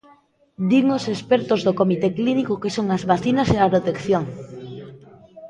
Din os expertos do comité clínico que son as vacinas e a protección.